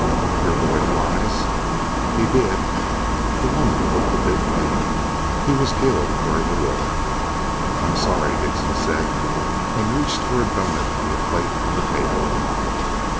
"Your boy flies?" "He did." The woman looked a bit pained. "He was killed during the war." "I'm sorry," Dickson said, and reached for a doughnut from the plate on the table.